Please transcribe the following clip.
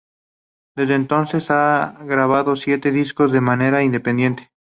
Desde entonces ha grabado siete discos de manera independiente.